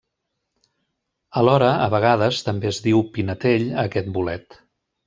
Alhora a vegades també es diu pinetell a aquest bolet.